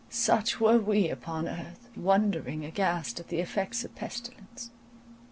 Such were we upon earth, wondering aghast at the effects of pestilence.